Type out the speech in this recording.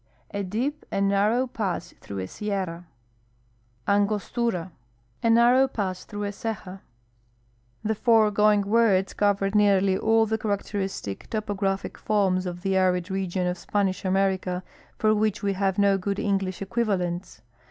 — A deep and narrow pass through a sierra. Angostura. — A nari'ow pass through a ceja. TOPOGRAPHIC TERMS OF SPANISH AMERICA 299 The foregoing words cover nearly all the characteristic topo gra[)hic forms of the arid region of Spanish America for which Ave have no good English equivalents.